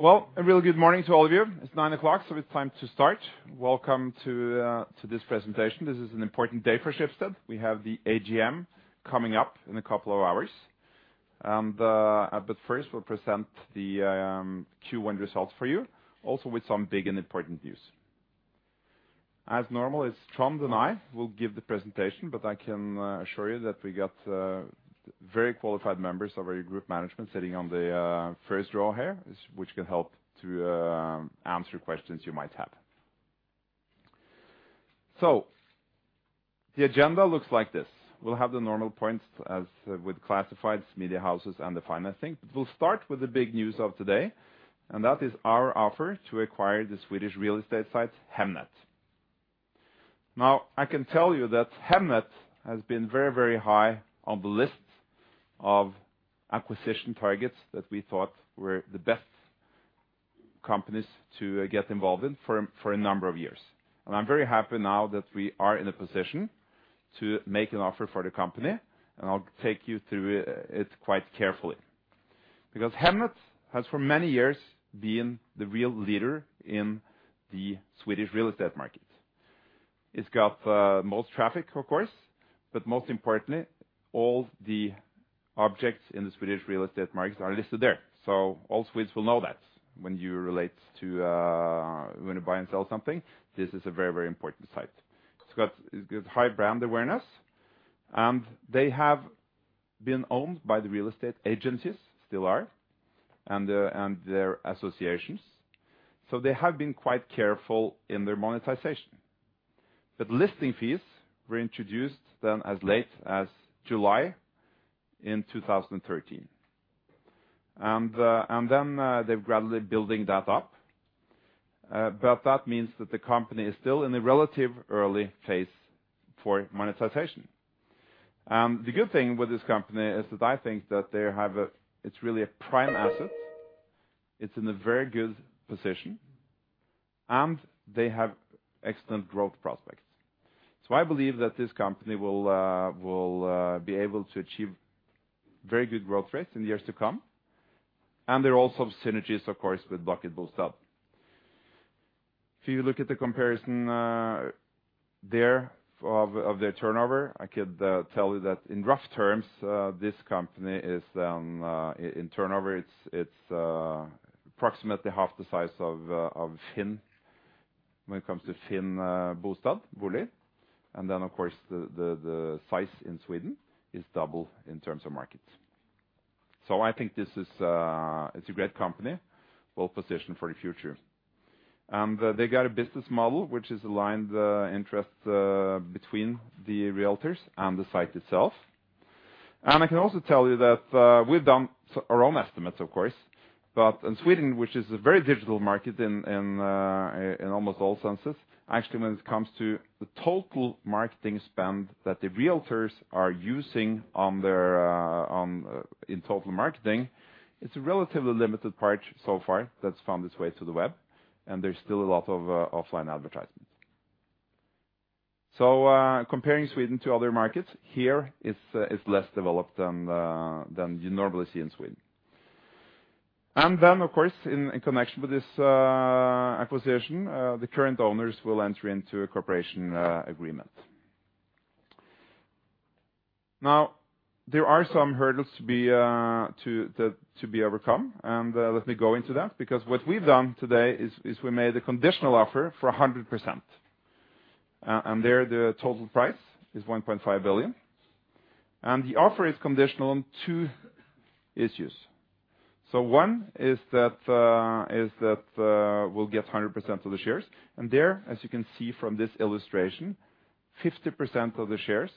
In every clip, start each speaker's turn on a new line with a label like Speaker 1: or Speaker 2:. Speaker 1: Well, a really good morning to all of you. It's 9:00 A.M., so it's time to start. Welcome to this presentation. This is an important day for Schibsted. We have the AGM coming up in a couple of hours and, but first, we'll present the Q1 results for you, also with some big and important news. As normal, it's Trond and I will give the presentation, but I can assure you that we got very qualified members of our group management sitting on the first row here, which can help to answer questions you might have. The agenda looks like this. We'll have the normal points as with classifieds, media houses, and the financing. We'll start with the big news of today, and that is our offer to acquire the Swedish real estate site, Hemnet. Now, I can tell you that Hemnet has been very high on the list of acquisition targets that we thought were the best companies to get involved in for a number of years. I'm very happy now that we are in a position to make an offer for the company, and I'll take you through it quite carefully. Hemnet has for many years been the real leader in the Swedish real estate market. It's got most traffic, of course, but most importantly, all the objects in the Swedish real estate market are listed there. All Swedes will know that when you relate to when you buy and sell something, this is a very important site. It's got high brand awareness, and they have been owned by the real estate agencies, still are, and their associations. They have been quite careful in their monetization. Listing fees were introduced then as late as July in 2013. Then they're gradually building that up. That means that the company is still in a relative early phase for monetization. The good thing with this company is that I think that It's really a prime asset, it's in a very good position, and they have excellent growth prospects. I believe that this company will be able to achieve very good growth rates in the years to come. There are also synergies, of course, with Blocket Bostad. If you look at the comparison, there of their turnover, I could tell you that in rough terms, this company is, in turnover, it's approximately half the size of Finn when it comes to Finn, Bostad, Bolig. Then, of course, the size in Sweden is double in terms of markets. I think this is, it's a great company, well-positioned for the future. They got a business model which has aligned the interest, between the realtors and the site itself. I can also tell you that we've done our own estimates, of course, but in Sweden, which is a very digital market in almost all senses, actually, when it comes to the total marketing spend that the realtors are using on their in total marketing, it's a relatively limited part so far that's found its way to the web, and there's still a lot of offline advertisements. Comparing Sweden to other markets, here is less developed than you normally see in Sweden. Of course, in connection with this acquisition, the current owners will enter into a cooperation agreement. There are some hurdles to be overcome, let me go into that, what we've done today is we made a conditional offer for 100%. There, the total price is 1.5 billion. The offer is conditional on two issues. One is that we'll get 100% of the shares. There, as you can see from this illustration, 50% of the shares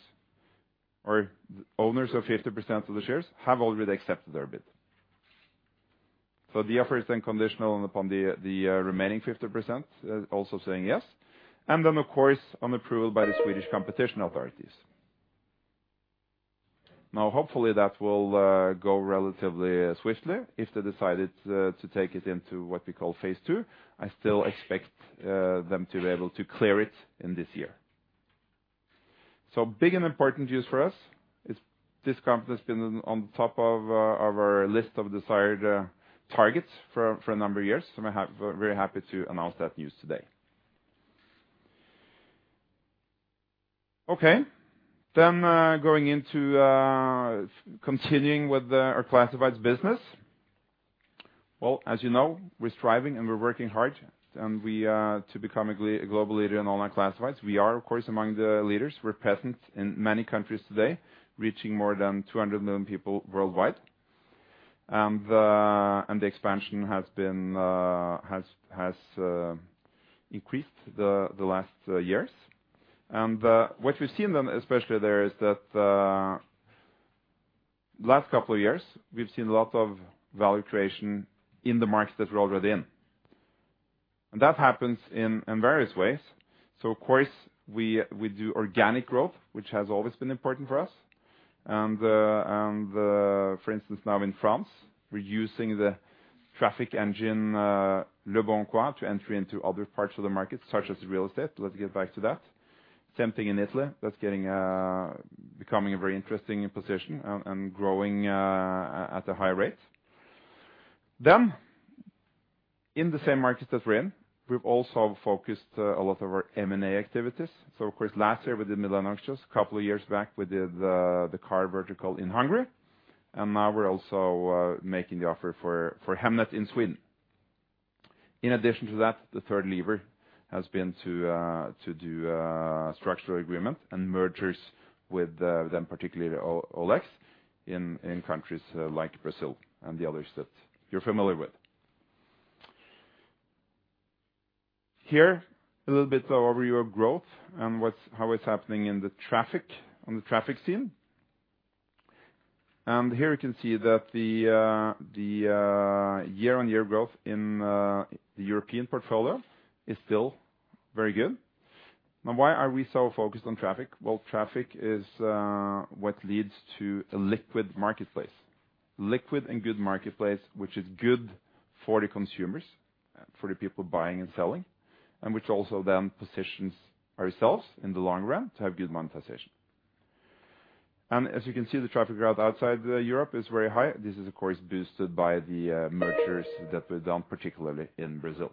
Speaker 1: or owners of 50% of the shares have already accepted our bid. The offer is conditional upon the remaining 50% also saying yes. Of course, on approval by the Swedish competition authorities. Hopefully, that will go relatively swiftly if they decided to take it into what we call phase II. I still expect them to be able to clear it in this year. Big and important news for us is this company's been on top of our list of desired targets for a number of years. I'm very happy to announce that news today. Okay. Going into continuing with our classifieds business. Well, as you know, we're striving and we're working hard and we to become a global leader in online classifieds. We are, of course, among the leaders. We're present in many countries today, reaching more than 200 million people worldwide. The expansion has been has increased the last years. What we've seen then, especially there, is that last couple of years, we've seen a lot of value creation in the markets that we're already in. That happens in various ways. Of course, we do organic growth, which has always been important for us. For instance, now in France, we're using the traffic engine LeBonCoin to entry into other parts of the market, such as real estate. Let's get back to that. Same thing in Italy. That's getting becoming a very interesting position and growing at a high rate. In the same market that we're in, we've also focused a lot of our M&A activities. Of course, last year we did Milanuncios. Couple of years back, we did the car vertical in Hungary. Now we're also making the offer for Hemnet in Sweden. In addition to that, the third lever has been to do structural agreement and mergers with them, particularly the OLX in countries like Brazil and the others that you're familiar with. Here, a little bit of overview of growth and what's how it's happening in the traffic, on the traffic scene. Here you can see that the year-on-year growth in the European portfolio is still very good. Why are we so focused on traffic? Well, traffic is what leads to a liquid marketplace. Liquid and good marketplace, which is good for the consumers, for the people buying and selling, which also then positions ourselves in the long run to have good monetization. As you can see, the traffic growth outside Europe is very high. This is, of course, boosted by the mergers that we've done, particularly in Brazil.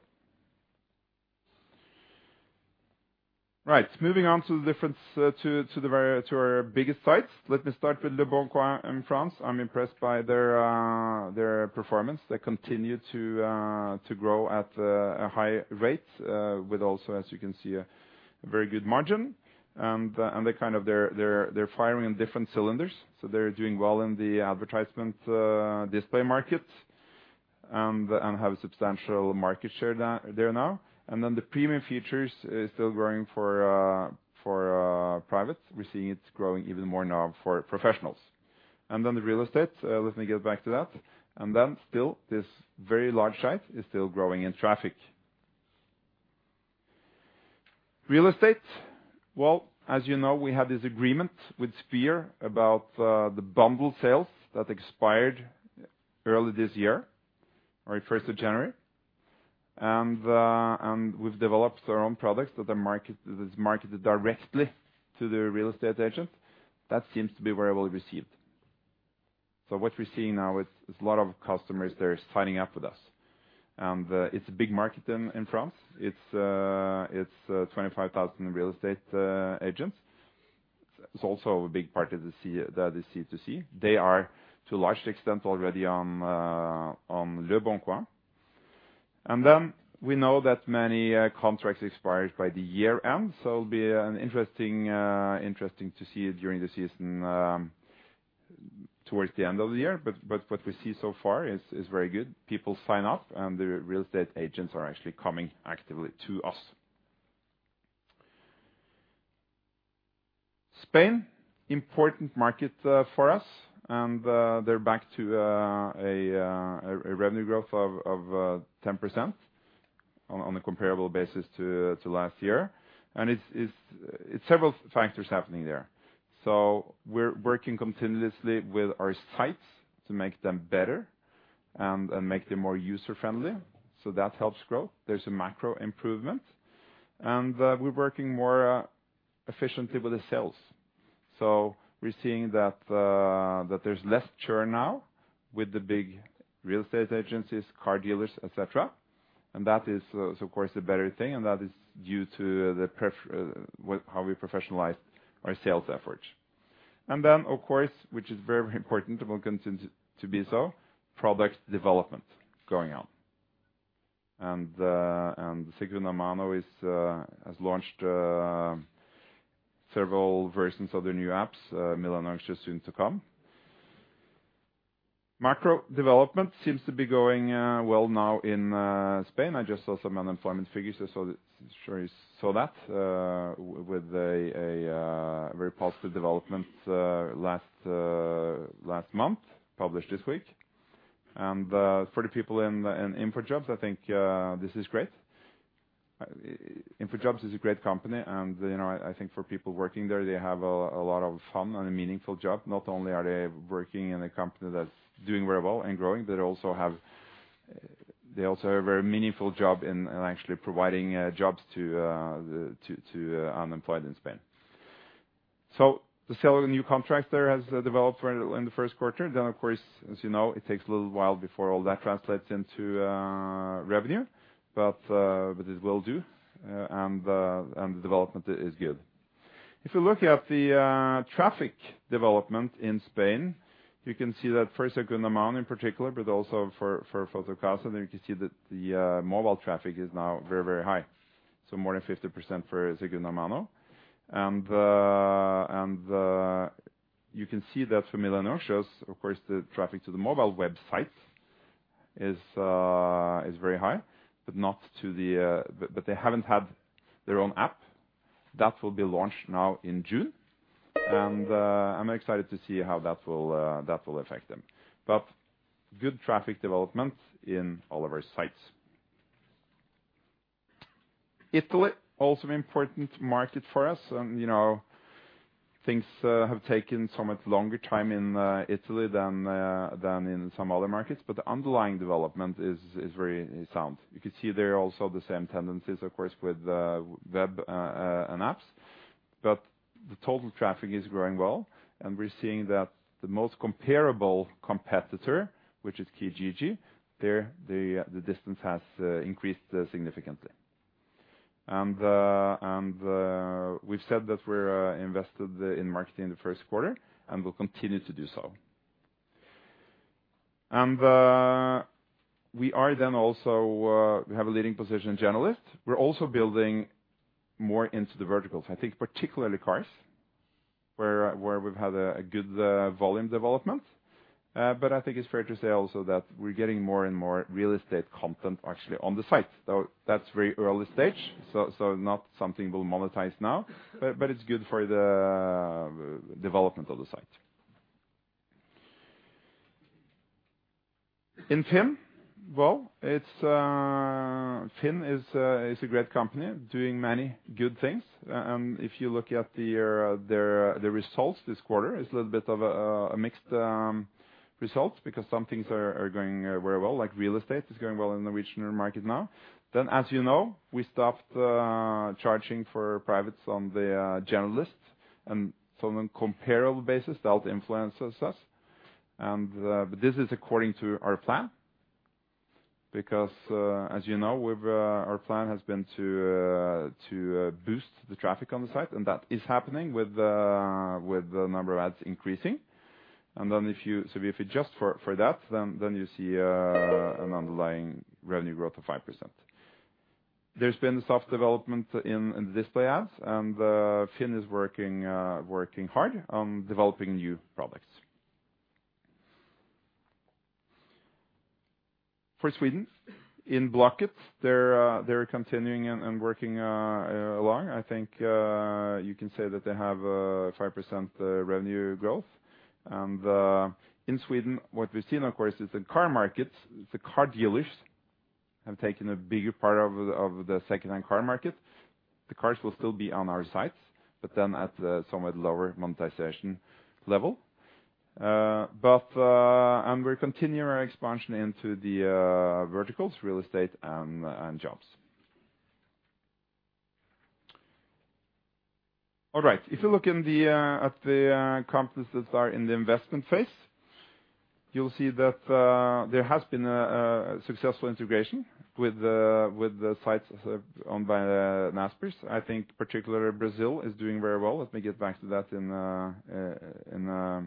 Speaker 1: Right. Moving on to our biggest sites. Let me start with LeBonCoin in France. I'm impressed by their performance. They continue to grow at a high rate, with also, as you can see, a very good margin. They kind of they're firing on different cylinders. They're doing well in the advertisement display market and have a substantial market share there now. The premium features is still growing for private. We're seeing it growing even more now for professionals. The real estate, let me get back to that. Still, this very large site is still growing in traffic. Real estate. Well, as you know, we have this agreement with Spir about the bundle sales that expired early this year, or 1st of January. We've developed our own products that is marketed directly to the real estate agent. That seems to be very well received. What we're seeing now is a lot of customers there signing up with us. It's a big market in France. It's 25,000 real estate agents. It's also a big part of the C-to-C. They are to a large extent already on LeBonCoin. We know that many contracts expires by the year-end, so it'll be an interesting to see during the season towards the end of the year. What we see so far is very good. People sign up and the real estate agents are actually coming actively to us. Spain, important market for us, they're back to a revenue growth of 10% on a comparable basis to last year. It's several factors happening there. We're working continuously with our sites to make them better and make them more user-friendly. That helps growth. There's a macro improvement. We're working more efficiently with the sales. We're seeing that there's less churn now with the big real estate agencies, car dealers, et cetera. That is, of course, a better thing, and that is due to with how we professionalize our sales efforts. Of course, which is very important and will continue to be so, product development going on. Segunda Mano is has launched several versions of their new apps, Milanuncios soon to come. Macro development seems to be going well now in Spain. I just saw some unemployment figures. I'm sure you saw that with a very positive development last month, published this week. For the people in InfoJobs, I think this is great. InfoJobs is a great company, and, you know, I think for people working there, they have a lot of fun and a meaningful job. Not only are they working in a company that's doing very well and growing, they also have a very meaningful job in actually providing jobs to unemployed in Spain. The sale of the new contract there has developed very well in the first quarter. Of course, as you know, it takes a little while before all that translates into revenue, but it will do, and the development is good. If you look at the traffic development in Spain, you can see that first Segunda Mano in particular, but also for Fotocasa, there you can see that the mobile traffic is now very, very high. More than 50% for Segunda Mano. You can see that for Milanuncios, of course, the traffic to the mobile website is very high, but not to the, but they haven't had their own app. That will be launched now in June. I'm excited to see how that will affect them. Good traffic development in all of our sites. Italy, also important market for us and, you know, things have taken so much longer time in Italy than in some other markets, but the underlying development is very sound. You can see there also the same tendencies, of course, with web and apps. The total traffic is growing well, and we're seeing that the most comparable competitor, which is Kijiji, there the distance has increased significantly. We've said that we're invested in marketing in the first quarter, and we'll continue to do so. We are also, we have a leading position in generalist. We're also building more into the verticals, I think particularly cars, where we've had a good volume development. I think it's fair to say also that we're getting more and more real estate content actually on the site. Though that's very early stage, so not something we'll monetize now, but it's good for the development of the site. In Finn, well, it's Finn is a great company doing many good things. If you look at the results this quarter, it's a little bit of a mixed results because some things are going very well, like real estate is going well in the regional market now. As you know, we stopped charging for privates on the general list, on a comparable basis, that influences us. This is according to our plan. As you know, our plan has been to boost the traffic on the site, that is happening with the number of ads increasing. If you adjust for that, then you see an underlying revenue growth of 5%. There's been soft development in the display ads, and Finn is working hard on developing new products. For Sweden, in Blocket, they're continuing and working along. I think you can say that they have 5% revenue growth. In Sweden, what we've seen, of course, is the car markets, the car dealers have taken a bigger part of the secondhand car market. The cars will still be on our sites at a somewhat lower monetization level. We continue our expansion into the verticals, real estate and jobs. All right. If you look in the companies that are in the investment phase, you'll see that there has been a successful integration with the sites owned by Naspers. I think particularly Brazil is doing very well. Let me get back to that in a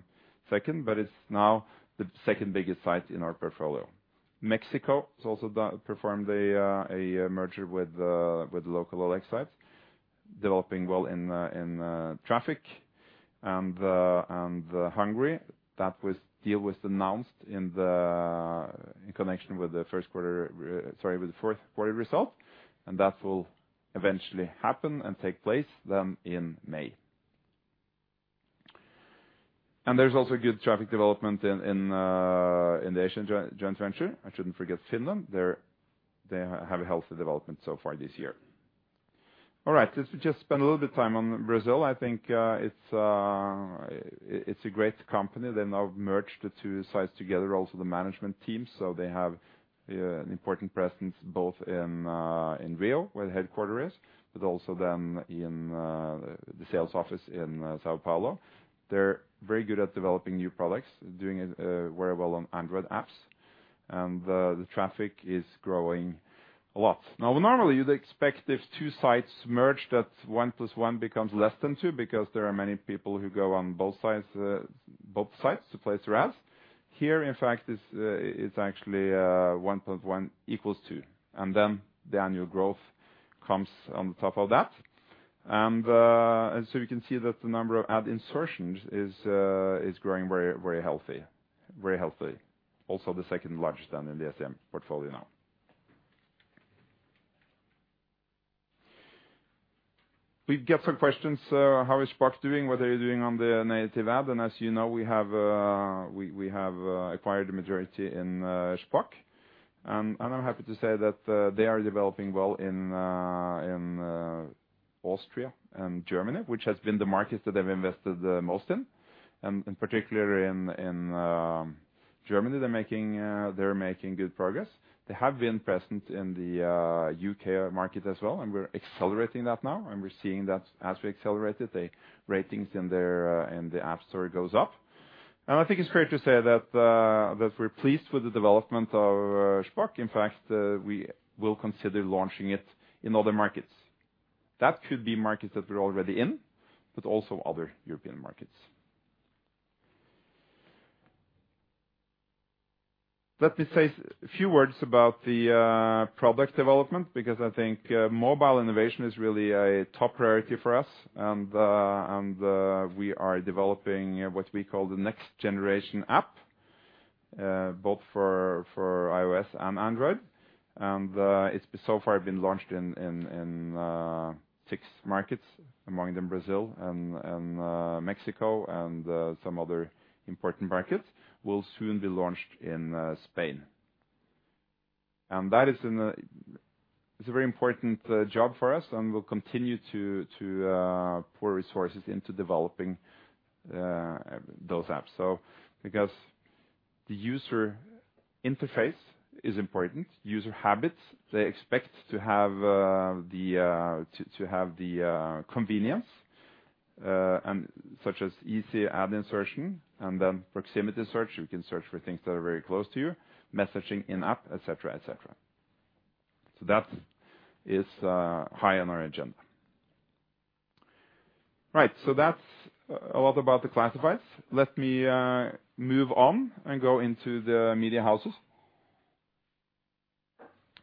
Speaker 1: second. It's now the second biggest site in our portfolio. Mexico has also performed a merger with local OLX sites, developing well in traffic. Hungary, that deal was announced in connection with the first quarter, sorry, with the fourth quarter result, and that will eventually happen and take place then in May. There's also good traffic development in the Asian joint venture. I shouldn't forget Finland. They have a healthy development so far this year. All right. Let's just spend a little bit of time on Brazil. I think it's a great company. They now merged the two sites together, also the management team. They have an important presence both in Rio, where the headquarter is, but also then in the sales office in São Paulo. They're very good at developing new products, doing very well on Android apps, and the traffic is growing a lot. Normally, you'd expect if two sites merge, that one plus one becomes less than two because there are many people who go on both sides, both sites to place their ads. Here, in fact, it's actually one plus one equals two, the annual growth comes on top of that. You can see that the number of ad insertions is growing very, very healthy. Very healthy. Also the second-largest then in the SCM portfolio now. We've got some questions. How is Shpock doing? What are you doing on the native ad? As you know, we have acquired a majority in Shpock. I'm happy to say that they are developing well in Austria and Germany, which has been the markets that they've invested the most in. Particularly in Germany, they're making good progress. They have been present in the U.K. market as well, and we're accelerating that now, and we're seeing that as we accelerate it, the ratings in their in the App Store goes up. I think it's fair to say that we're pleased with the development of Shpock. In fact, we will consider launching it in other markets. That could be markets that we're already in, but also other European markets. Let me say few words about the product development because I think mobile innovation is really a top priority for us and we are developing what we call the next generation app both for iOS and Android. It's so far been launched in six markets, among them Brazil and Mexico and some other important markets. Will soon be launched in Spain. That is a very important job for us, and we'll continue to pour resources into developing those apps. Because the user interface is important, user habits, they expect to have the convenience, and such as easy ad insertion and then proximity search. You can search for things that are very close to you, messaging in-app, et cetera, et cetera. That is high on our agenda. Right. That's a lot about the classifieds. Let me move on and go into the media houses.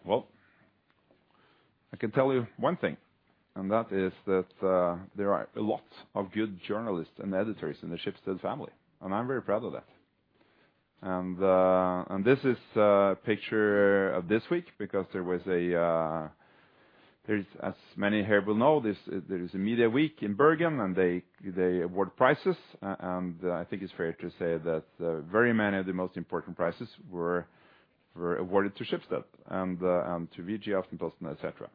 Speaker 1: Well, I can tell you one thing, and that is that there are lots of good journalists and editors in the Schibsted family, and I'm very proud of that. This is a picture of this week because there was a, there's as many here will know this, there is a media week in Bergen, and they award prices. I think it's fair to say that very many of the most important prices were awarded to Schibsted and to VG, Aftenposten, et cetera.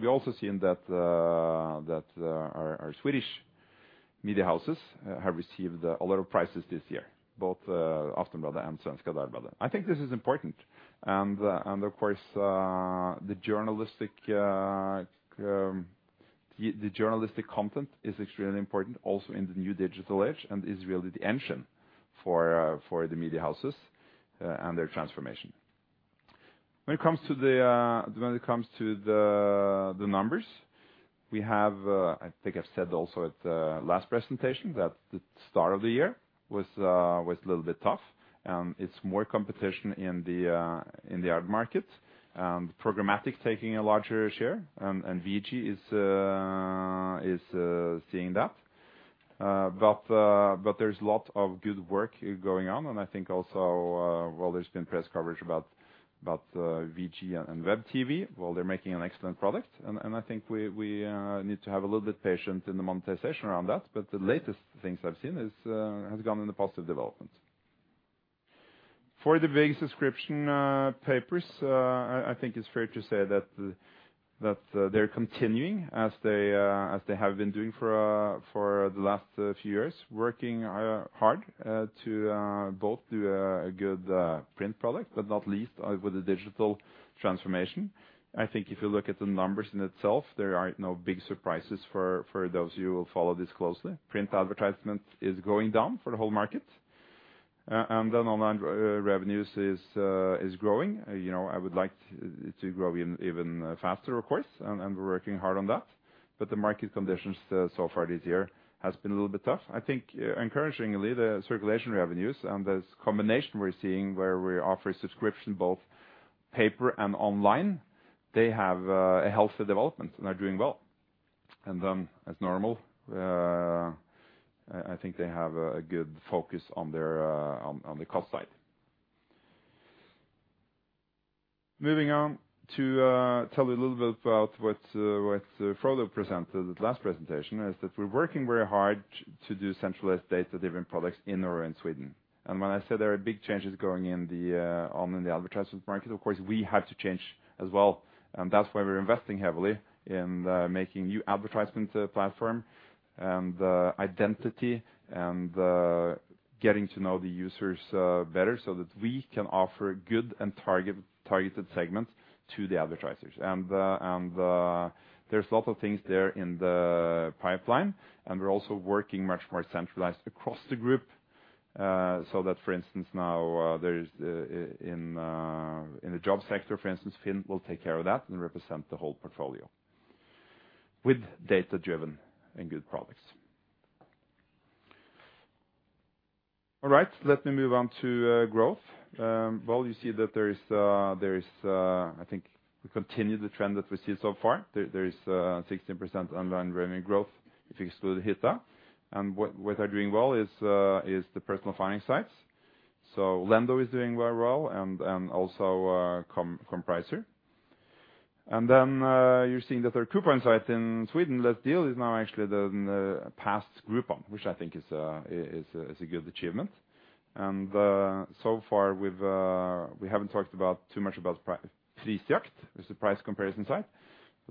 Speaker 1: We also seen that our Swedish media houses have received a lot of prizes this year, both Aftonbladet and Svenska Dagbladet. I think this is important and of course the journalistic content is extremely important also in the new digital age and is really the engine for the media houses and their transformation. When it comes to the numbers we have, I think I've said also at the last presentation that the start of the year was a little bit tough. It's more competition in the ad market, programmatic taking a larger share. VG is seeing that. But there's lot of good work going on. I think also while there's been press coverage about VG and VGTV, well, they're making an excellent product and I think we need to have a little bit patient in the monetization around that. The latest things I've seen is has gone in the positive development. For the big subscription papers, I think it's fair to say that they're continuing as they have been doing for the last few years, working hard to both do a good print product, but not least with the digital transformation. I think if you look at the numbers in itself, there are no big surprises for those who will follow this closely. Print advertisement is going down for the whole market, and then online revenues is growing. You know, I would like it to grow even faster, and we're working hard on that. The market conditions so far this year has been a little bit tough. I think encouragingly, the circulation revenues and there's combination we're seeing where we offer subscription both paper and online. They have a healthy development and are doing well. As normal, I think they have a good focus on their on the cost side. Moving on to tell you a little bit about what Frode presented at last presentation, is that we're working very hard to do centralized data-driven products in Norway and Sweden. When I say there are big changes going on in the advertisement market, of course we have to change as well. That's why we're investing heavily in making new advertisement platform and identity and getting to know the users better so that we can offer good and target-targeted segments to the advertisers. There's a lot of things there in the pipeline, and we're also working much more centralized across the group. So that for instance, now, in the job sector, for instance, Finn will take care of that and represent the whole portfolio with data-driven and good products. All right, let me move on to growth. Well, you see that there is, I think we continue the trend that we see so far. There is 16% online revenue growth if you exclude Hitta.se. What are doing well is the personal finance sites. Lendo is doing very well and also Comparis. Then you're seeing that their coupon site in Sweden, Let's Deal, is now actually the passed Groupon, which I think is a good achievement. So far we've we haven't talked about too much about Prisjakt. It's a price comparison site.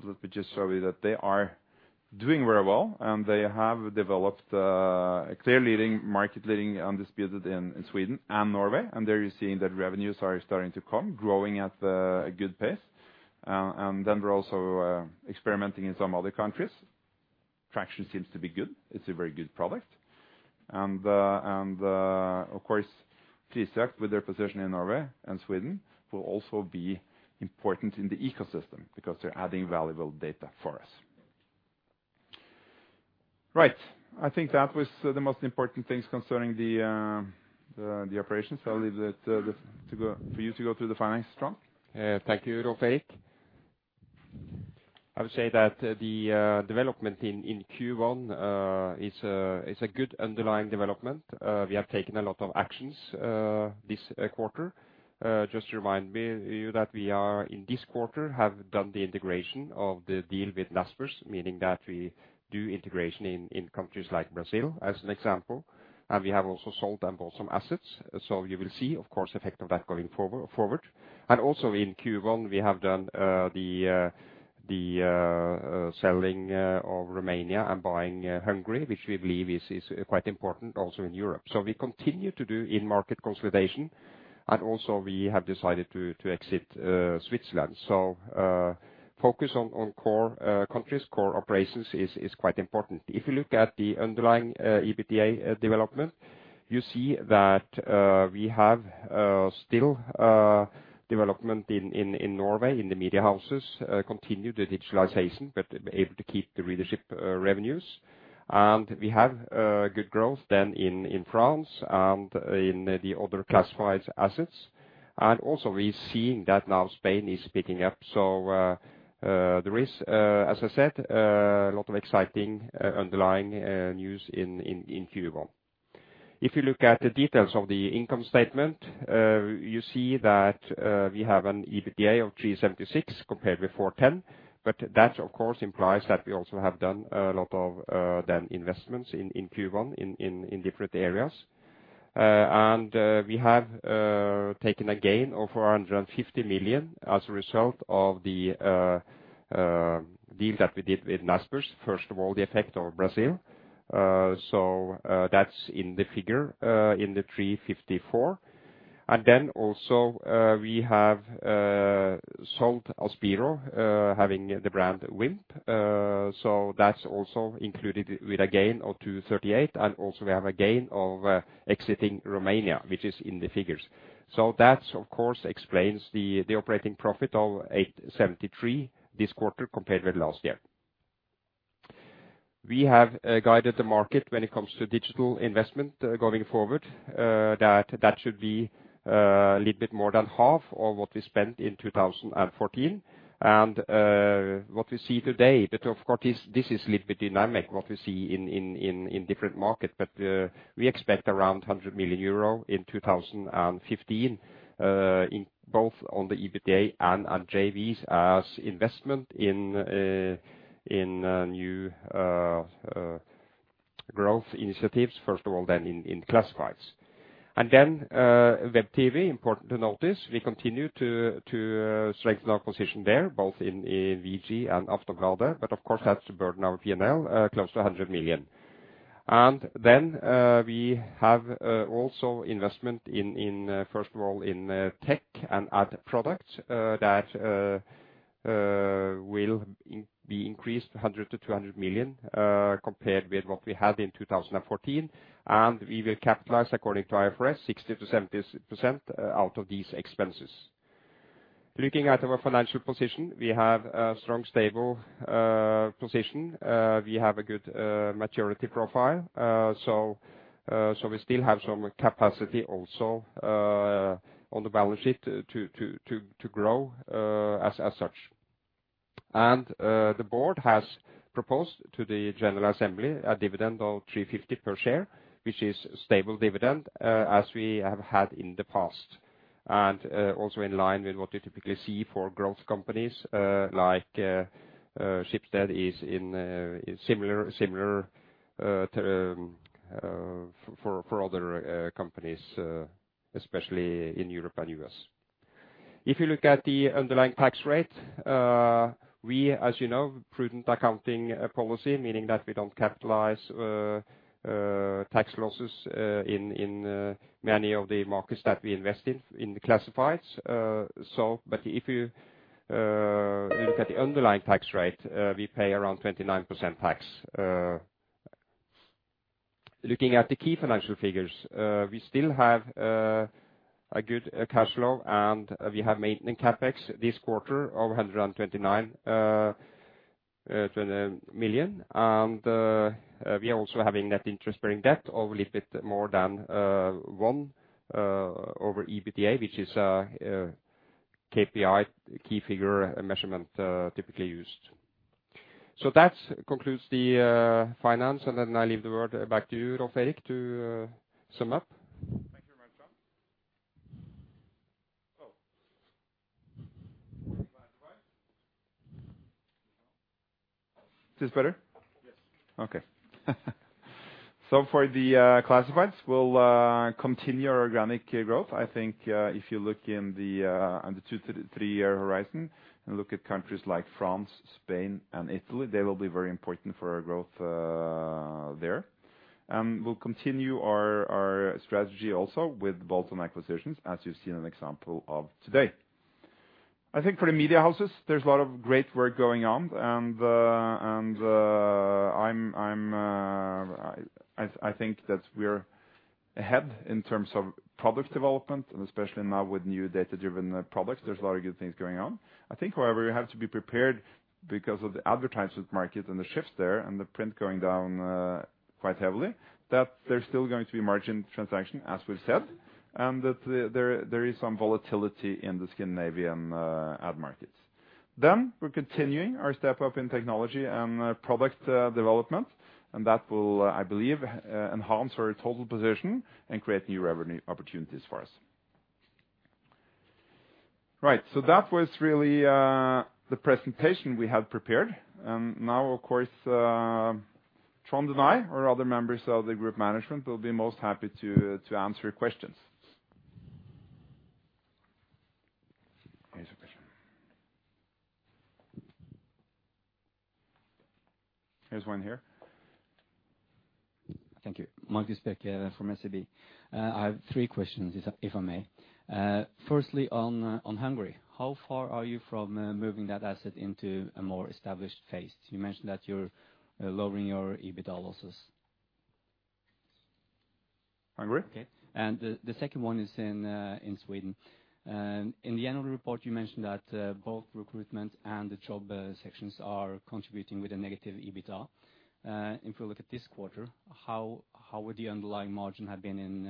Speaker 1: Let me just show you that they are doing very well, and they have developed a clear leading, market leading undisputed in Sweden and Norway. There you're seeing that revenues are starting to come, growing at a good pace. Then we're also experimenting in some other countries. Traction seems to be good. It's a very good product. Of course, Prisjakt with their position in Norway and Sweden will also be important in the ecosystem because they're adding valuable data for us. Right. I think that was the most important things concerning the operations. I'll leave that to go, for you to go through the finance, Trond.
Speaker 2: Thank you, Rolv Erik. I would say that the development in Q1 is a good underlying development. We have taken a lot of actions this quarter. Just to remind you that we are, in this quarter, have done the integration of the deal with Naspers, meaning that we do integration in countries like Brazil, as an example. We have also sold and bought some assets. You will see, of course, effect of that going forward. Also in Q1, we have done the selling of Romania and buying Hungary, which we believe is quite important also in Europe. We continue to do in-market consolidation, and also we have decided to exit Switzerland. Focus on core countries, core operations is quite important. If you look at the underlying EBITDA development, you see that we have still development in Norway, in the media houses, continue the digitalization, but able to keep the readership revenues. We have good growth than in France and in the other classifieds assets. Also we're seeing that now Spain is picking up. There is, as I said, a lot of exciting underlying news in Q1. If you look at the details of the income statement, you see that we have an EBITDA of 376 compared with 410, but that, of course, implies that we also have done a lot of then investments in Q1 in different areas. And we have taken a gain of 450 million as a result of the deal that we did with Naspers, first of all, the effect of Brazil. So that's in the figure in the 354. And then also, we have sold Aspiro, having the brand WiMP. So that's also included with a gain of 238. And also we have a gain of exiting Romania, which is in the figures. So that, of course, explains the operating profit of 873 this quarter compared with last year. We have guided the market when it comes to digital investment going forward. That should be a little bit more than half of what we spent in 2014. What we see today, of course, this is little bit dynamic, what we see in different market. We expect around 100 million euro in 2015, in both on the EBITDA and JVs as investment in new growth initiatives, first of all, then in classifieds. Web TV, important to notice, we continue to strengthen our position there, both in VG and Aftonbladet. Of course, that's the burden of P&L, close to 100 million. We have also investment in first of all in tech and ad products that will be increased 100 million-200 million compared with what we had in 2014. We will capitalize according to IFRS 60%-70% out of these expenses. Looking at our financial position, we have a strong, stable position. We have a good maturity profile. We still have some capacity also on the balance sheet to grow as such. The board has proposed to the general assembly a dividend of 3.50 per share, which is stable dividend as we have had in the past. Also in line with what you typically see for growth companies like Schibsted is in similar term for other companies, especially in Europe and U.S. If you look at the underlying tax rate, we, as you know, prudent accounting policy, meaning that we don't capitalize tax losses in many of the markets that we invest in the classifieds. If you look at the underlying tax rate, we pay around 29% tax. Looking at the key financial figures, we still have a good cash flow, and we have maintenance CapEx this quarter of 129 million. We are also having net interest-bearing debt of a little bit more than one over EBITDA, which is KPI, key figure measurement typically used. That concludes the finance, and then I leave the word back to you, Rolv Erik, to sum up.
Speaker 1: Thank you very much, Trond. Oh. Is this better?
Speaker 2: This better.
Speaker 1: Okay. For the classifieds, we'll continue our organic growth. I think, if you look in the two-three-year horizon and look at countries like France, Spain, and Italy, they will be very important for our growth there. We'll continue our strategy also with bolt-on acquisitions, as you've seen an example of today. I think for the media houses, there's a lot of great work going on. I think that we're ahead in terms of product development, and especially now with new data-driven products, there's a lot of good things going on. I think, however, you have to be prepared because of the advertising market and the shifts there and the print going down, quite heavily, that there's still going to be margin transaction as we've said, and that there is some volatility in the Scandinavian ad markets. We're continuing our step up in technology and product development, and that will, I believe, enhance our total position and create new revenue opportunities for us. Right. That was really the presentation we had prepared. Now, of course, Trond and I or other members of the group management will be most happy to answer your questions. Any suggestions? Here's one here.
Speaker 3: Thank you. Marcus Becker from SEB. I have three questions, if I may. Firstly on Hungary, how far are you from moving that asset into a more established phase? You mentioned that you're lowering your EBITDA losses.
Speaker 1: Hungary?
Speaker 3: Okay. The second one is in Sweden. In the annual report, you mentioned that both recruitment and the job sections are contributing with a negative EBITDA. If we look at this quarter, how would the underlying margin have been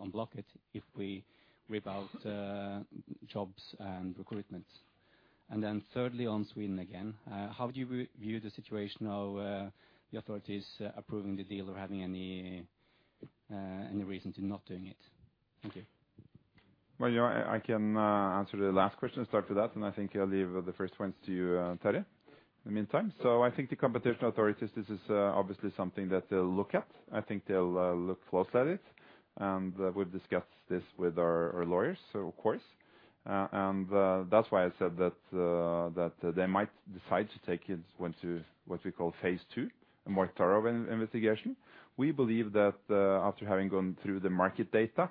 Speaker 3: on Blocket if we without jobs and recruitment? Thirdly, on Sweden again, how would you view the situation of the authorities approving the deal or having any reason to not doing it? Thank you.
Speaker 1: Well, you know, I can answer the last question, start with that, and I think I'll leave the first ones to you, Terje, in the meantime. I think the competition authorities, this is obviously something that they'll look at. I think they'll look close at it, and we've discussed this with our lawyers, so of course. That's why I said that they might decide to take it went to what we call phase II, a more thorough investigation. We believe that after having gone through the market data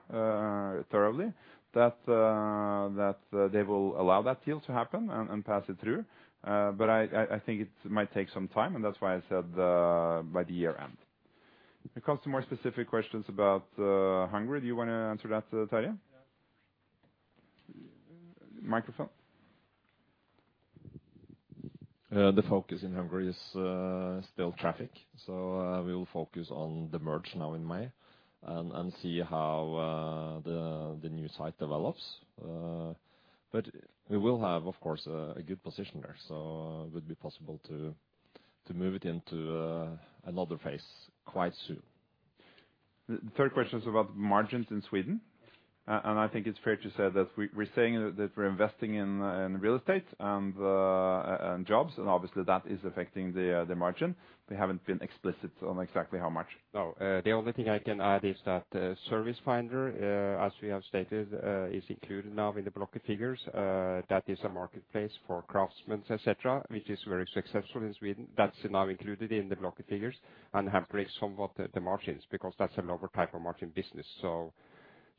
Speaker 1: thoroughly, that they will allow that deal to happen and pass it through. I think it might take some time, and that's why I said by the year-end. When it comes to more specific questions about Hungary, do you wanna answer that, Terje?
Speaker 4: Yes.
Speaker 1: Microphone.
Speaker 4: The focus in Hungary is still traffic. We will focus on the merge now in May and see how the new site develops. We will have, of course, a good position there, so it would be possible to move it into another phase quite soon.
Speaker 1: The third question is about margins in Sweden. I think it's fair to say that we're saying that we're investing in real estate and jobs, and obviously, that is affecting the margin. We haven't been explicit on exactly how much.
Speaker 2: No. The only thing I can add is that Servicefinder, as we have stated, is included now in the Blocket figures. That is a marketplace for craftsmen, et cetera, which is very successful in Sweden. That's now included in the Blocket figures and have raised somewhat the margins because that's another type of margin business.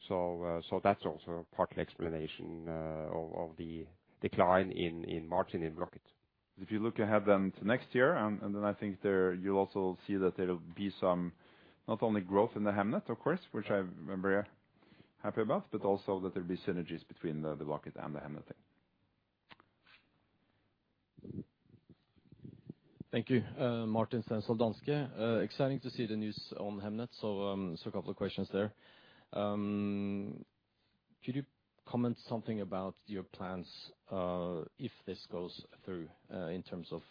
Speaker 2: That's also part of the explanation, of the decline in margin in Blocket.
Speaker 1: If you look ahead then to next year, I think there you'll also see that there'll be some not only growth in the Hemnet, of course, which I'm very happy about, but also that there'll be synergies between the Blocket and the Hemnet thing.
Speaker 5: Thank you. Martin Stenshall, Danske Bank. Exciting to see the news on Hemnet. A couple of questions there. Could you comment something about your plans, if this goes through, in terms of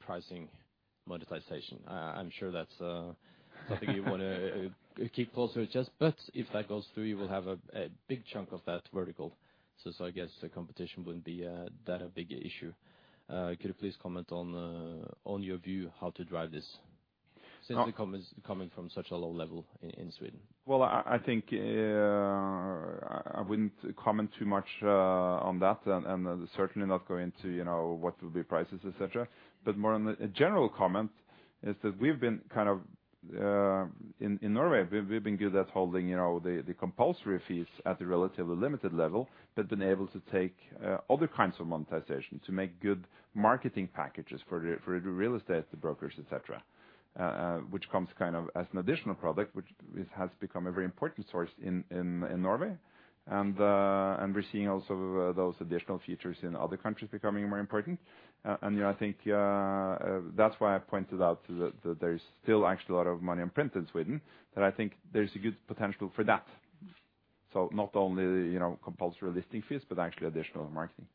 Speaker 5: pricing monetization? I'm sure that's something you wanna keep close to your chest, but if that goes through, you will have a big chunk of that vertical. I guess the competition wouldn't be that a big issue. Could you please comment on your view how to drive this? since it coming from such a low level in Sweden?
Speaker 1: Well, I think I wouldn't comment too much on that and certainly not go into, you know, what will be prices, et cetera. More on a general comment is that we've been kind of in Norway, we've been good at holding, you know, the compulsory fees at a relatively limited level, but been able to take other kinds of monetization to make good marketing packages for the real estate brokers, et cetera, which comes kind of as an additional product, which is, has become a very important source in Norway. We're seeing also those additional features in other countries becoming more important. You know, I think that's why I pointed out that there is still actually a lot of money in print in Sweden, that I think there's a good potential for that. Not only, you know, compulsory listing fees, but actually additional marketing.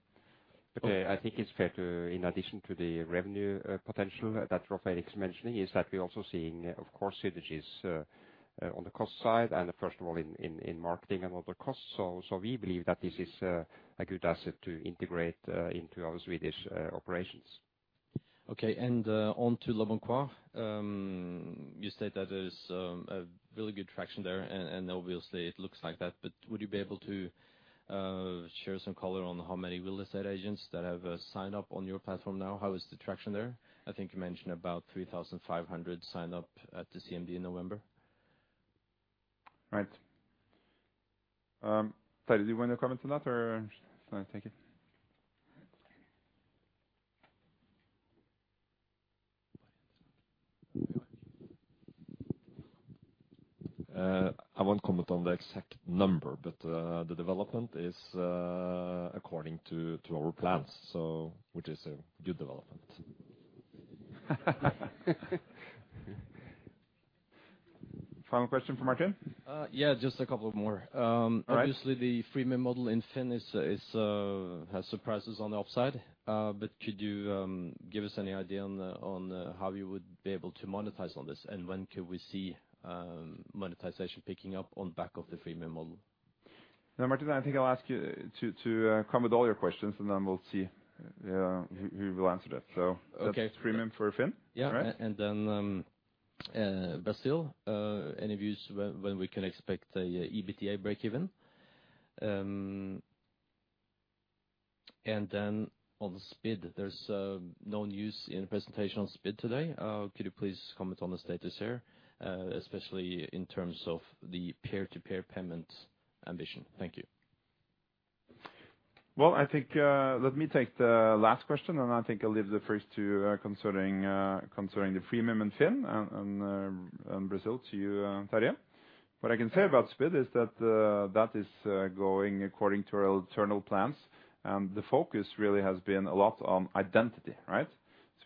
Speaker 2: I think it's fair to... In addition to the revenue, potential that Rolv Erik's mentioning, is that we're also seeing, of course, synergies on the cost side and first of all in marketing and other costs. We believe that this is a good asset to integrate into our Swedish operations.
Speaker 5: Okay. On to LeBonCoin. You state that there's a really good traction there, and obviously it looks like that, but would you be able to share some color on how many real estate agents that have signed up on your platform now? How is the traction there? I think you mentioned about 3,500 signed up at the CMD in November.
Speaker 1: Right. Terje, do you wanna comment on that or shall I take it?
Speaker 4: I won't comment on the exact number, but the development is according to our plans, so which is a good development.
Speaker 1: Final question from Martin?
Speaker 5: Yeah, just a couple of more.
Speaker 1: All right.
Speaker 5: Obviously, the freemium model in Finn is has surprises on the upside. Could you give us any idea on the how you would be able to monetize on this? When could we see monetization picking up on back of the freemium model?
Speaker 1: Martin, I think I'll ask you to come with all your questions, and then we'll see who will answer that.
Speaker 5: Okay.
Speaker 1: That's freemium for Finn, right?
Speaker 5: Brazil, any views when we can expect a EBITDA breakeven? On SPID, there's no news in presentation on SPID today. Could you please comment on the status here, especially in terms of the peer-to-peer payment ambition? Thank you.
Speaker 1: Well, I think, let me take the last question, and I think I'll leave the first two concerning the freemium in Finn and Brazil to you, Terje. What I can say about SPID is that is going according to our internal plans. The focus really has been a lot on identity, right?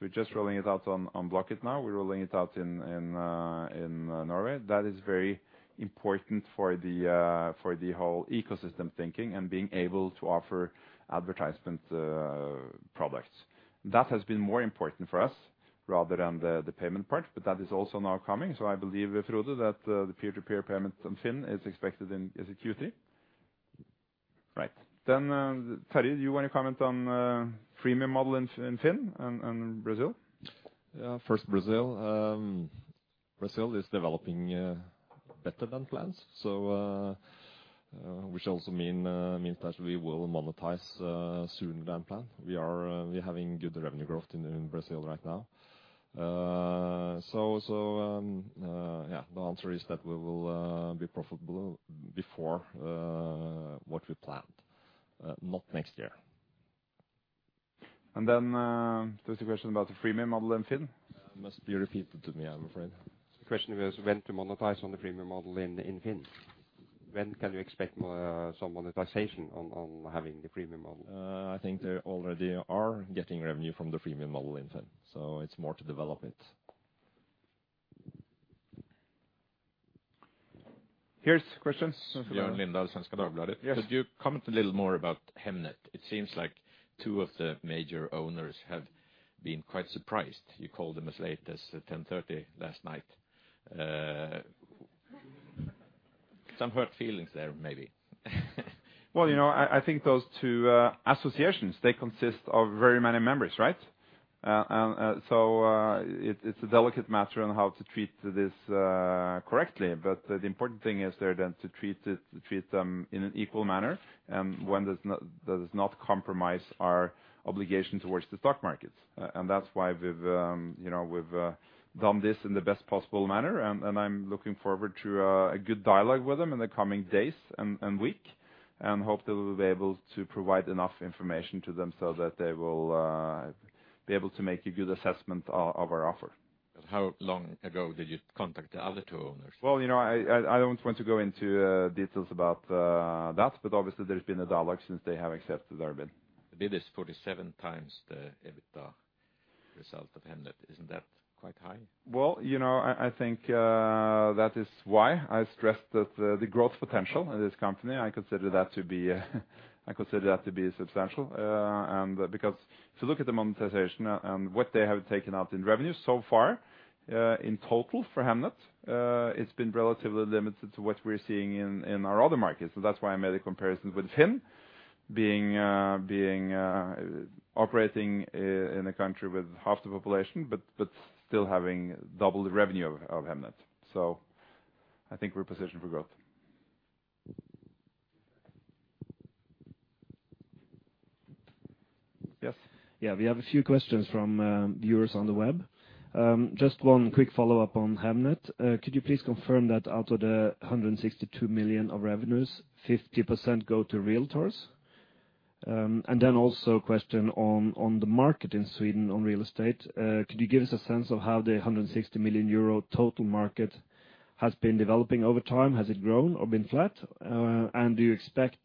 Speaker 1: We're just rolling it out on Blocket now. We're rolling it out in Norway. That is very important for the whole ecosystem thinking and being able to offer advertisement products. That has been more important for us rather than the payment part, but that is also now coming. I believe, Frode, that the peer-to-peer payment on Finn is expected in this Q3. Right. Terje, do you wanna comment on freemium model in Finn and Brazil?
Speaker 4: First, Brazil. Brazil is developing better than plans. Which also means that we will monetize sooner than planned. We're having good revenue growth in Brazil right now. The answer is that we will be profitable before what we planned. Not next year.
Speaker 1: There's a question about the freemium model in Finn.
Speaker 4: It must be repeated to me, I'm afraid.
Speaker 5: The question was when to monetize on the freemium model in Finn. When can you expect some monetization on having the freemium model?
Speaker 4: I think they already are getting revenue from the freemium model in Finn, so it's more to develop it.
Speaker 1: Here's questions.
Speaker 6: Could you comment a little more about Hemnet? It seems like two of the major owners have been quite surprised. You called them as late as 10:30 last night. Some hurt feelings there, maybe.
Speaker 1: Well, you know, I think those two associations, they consist of very many members, right? It's a delicate matter on how to treat this correctly. The important thing is there then to treat them in an equal manner, and one that does not compromise our obligation towards the stock markets. That's why we've, you know, we've done this in the best possible manner. I'm looking forward to a good dialogue with them in the coming days and week, and hope that we'll be able to provide enough information to them so that they will be able to make a good assessment of our offer.
Speaker 6: How long ago did you contact the other two owners?
Speaker 1: You know, I don't want to go into details about that, but obviously there's been a dialogue since they have accepted our bid.
Speaker 6: The bid is 47x the EBITDA result of Hemnet. Isn't that quite high?
Speaker 1: Well, you know, I think that is why I stressed that the growth potential in this company, I consider that to be substantial. Because if you look at the monetization and what they have taken out in revenue so far, in total for Hemnet, it's been relatively limited to what we're seeing in our other markets. That's why I made a comparison with Finn being operating in a country with half the population, but still having double the revenue of Hemnet. I think we're positioned for growth. Yes.
Speaker 7: Yeah, we have a few questions from viewers on the web. Just one quick follow-up on Hemnet. Could you please confirm that out of the 162 million of revenues, 50% go to realtors? Then also a question on the market in Sweden on real estate. Could you give us a sense of how the 160 million euro total market has been developing over time? Has it grown or been flat? Do you expect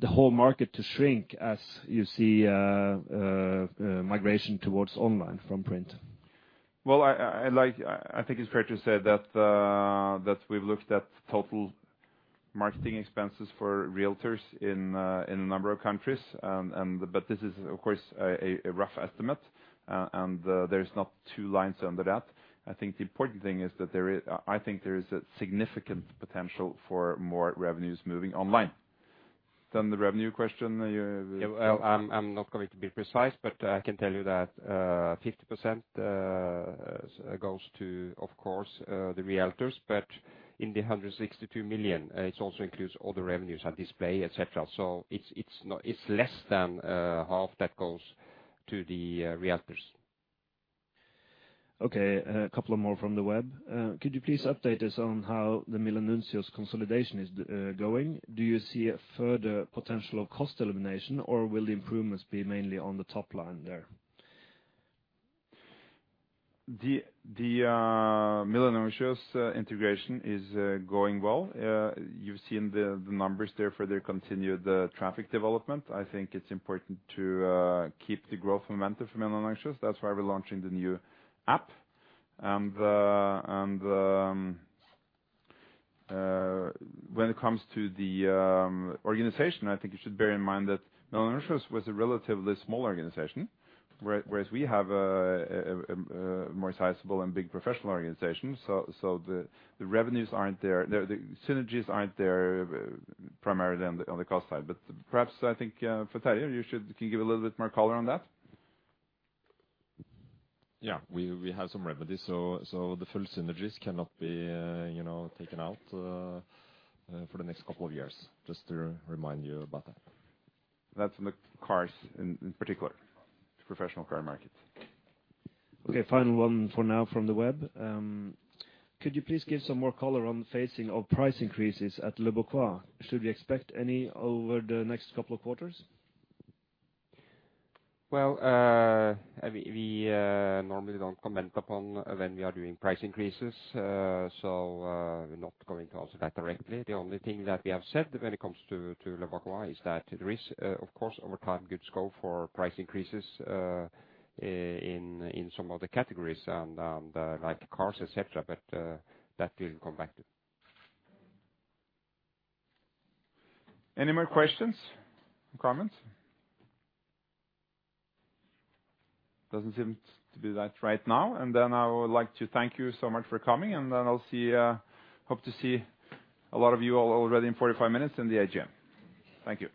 Speaker 7: the whole market to shrink as you see migration towards online from print?
Speaker 1: Well, I think it's fair to say that we've looked at total marketing expenses for realtors in a number of countries. But this is, of course, a rough estimate. There's not two lines under that. I think the important thing is that there is a significant potential for more revenues moving online. The revenue question.
Speaker 2: Yeah. Well, I'm not going to be precise, but I can tell you that 50% goes to, of course, the realtors. In the 162 million, it also includes all the revenues and display, et cetera. It's not, it's less than half that goes to the realtors.
Speaker 7: Okay. A couple of more from the web. Could you please update us on how the Milanuncios consolidation is going? Do you see a further potential of cost elimination, or will the improvements be mainly on the top line there?
Speaker 1: The Milanuncios integration is going well. You've seen the numbers there for their continued traffic development. I think it's important to keep the growth momentum from Milanuncios. That's why we're launching the new app. When it comes to the organization, I think you should bear in mind that Milanuncios was a relatively small organization, whereas we have a more sizable and big professional organization. The revenues aren't there. The synergies aren't there primarily on the cost side. Perhaps I think, for Terje, you can give a little bit more color on that.
Speaker 4: Yeah. We have some remedies, so the full synergies cannot be, you know, taken out for the next couple of years, just to remind you about that.
Speaker 1: That's in the cars in particular, professional car market.
Speaker 7: Final one for now from the web. Could you please give some more color on the phasing of price increases at LeBonCoin? Should we expect any over the next couple of quarters?
Speaker 2: We normally don't comment upon when we are doing price increases. We're not going to answer that directly. The only thing that we have said when it comes to LeBonCoin is that there is, of course, over time, good scope for price increases, in some of the categories and, like cars, et cetera. That we'll come back to.
Speaker 1: Any more questions or comments? Doesn't seem to be that right now. I would like to thank you so much for coming, I'll see, hope to see a lot of you all already in 45 minutes in the AGM. Thank you.